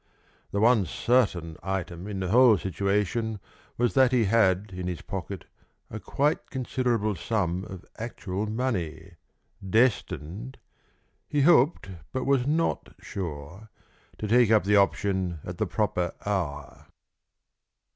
The one certain item in the whole situation was that he had in his pocket a quite considerable sum of actual money, destined he hoped but was not sure to take up the option at the proper hour.